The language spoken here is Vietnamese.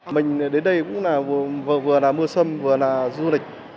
mình đến đây vừa là mua sâm vừa là du lịch